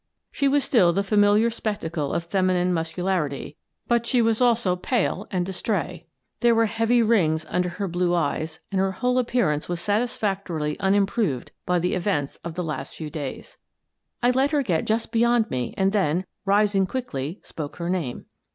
She was still the familiar spectacle of feminine muscularity, but she was also pale and distrait There were heavy rings under her blue eyes and her whole appearance was satisfactorily unimproved by the events of the last few days. I let her get just beyond me and then, rising quickly, spoke her name.